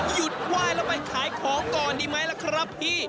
หยุดไหว้แล้วไปขายของก่อนดีไหมล่ะครับพี่